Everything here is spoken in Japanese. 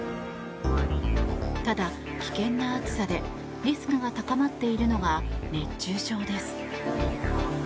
ただ、危険な暑さでリスクが高まっているのが熱中症です。